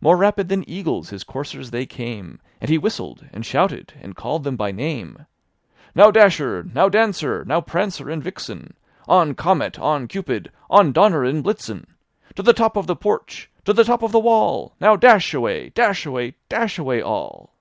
More rapid than eagles his coursers they came. And he whistled, and shouted, and called them by name; " Now, Dasher! now. Dancer! now, Prancer and VixenI On, Comet! on, Cupid! on, Dunder and Blitten! To the top of the porch! To the top of the wall! Now, dash away! Dash away! Dash away all!